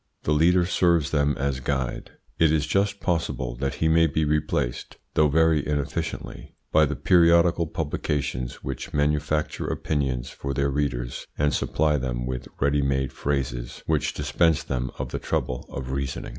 The leader serves them as guide. It is just possible that he may be replaced, though very inefficiently, by the periodical publications which manufacture opinions for their readers and supply them with ready made phrases which dispense them of the trouble of reasoning.